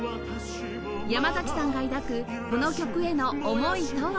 山崎さんが抱くこの曲への思いとは？